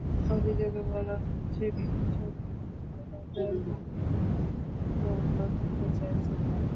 অভিযোগে বলা হয়েছে, বিপুল চন্দ্র হাওলাদার কোনো নিয়মকানুনের তোয়াক্কা করতে চাইছেন না।